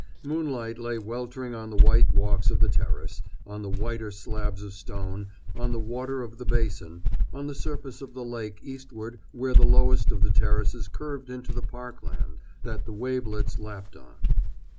Moonlight lay weltering on the white walks of the terrace, on the whiter slabs of stone, on the water of the basin, on the surface of the lake eastward where the lowest of the terraces curved into the parkland that the wavelets lapped on.